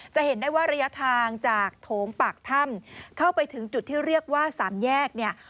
จะเห็นได้ว่าระยะทางจากโถงปากถ้ำเข้าไปถึงจุดที่เรียกว่าสามแยกเนี่ย